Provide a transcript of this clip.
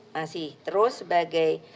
masih terus sebagai